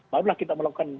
barulah kita melakukan